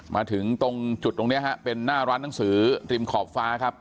มาถึงตรงจุดตรงนี้ฮะเป็นหน้าร้านหนังสือริมขอบฟ้าครับ